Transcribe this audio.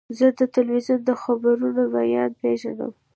زه د تلویزیون د خبرونو ویاند پیژنم.